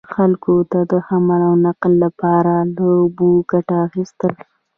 خلکو د حمل او نقل لپاره له اوبو ګټه اخیسته.